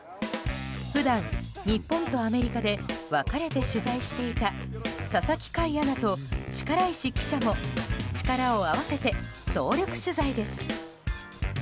普段、日本とアメリカで分かれて取材していた佐々木快アナと力石記者も力を合わせて総力取材です。